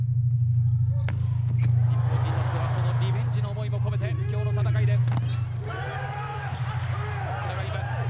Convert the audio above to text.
日本にとってはそのリベンジの思いも込めて今日の戦いです。